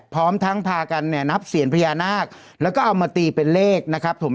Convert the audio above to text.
พร้อมทั้งพากันเนี่ยนับเสียญพญานาคแล้วก็เอามาตีเป็นเลขนะครับผม